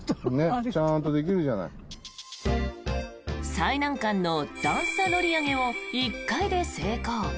最難関の段差乗り上げを１回で成功。